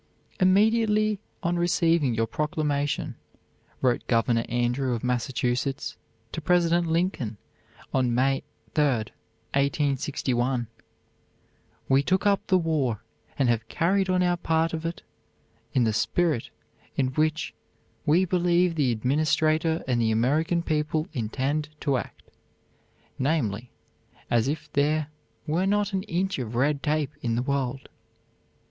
"Immediately on receiving your proclamation," wrote Governor Andrew of Massachusetts to President Lincoln on May 3, 1861, "we took up the war, and have carried on our part of it, in the spirit in which we believe the Administration and the American people intend to act, namely, as if there were not an inch of red tape in the world."